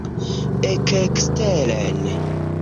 Ekeksteren!